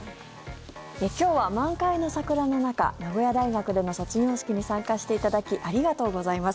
今日は満開の桜の中名古屋大学での卒業式に参加していただきありがとうございます。